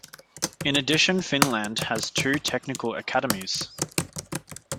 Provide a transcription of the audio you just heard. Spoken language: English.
In addition Finland has two technical academies.